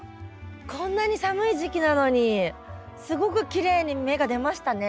こんなに寒い時期なのにすごくきれいに芽が出ましたね。